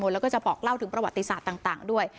แล้วก็จะบอกเล่าถึงประวัติศาสตร์ต่างด้วย